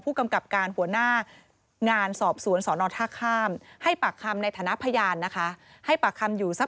กำกับการหัวหน้างานสอบสวนสอนอท่าข้ามให้ปากคำในฐานะพยานนะคะให้ปากคำอยู่สัก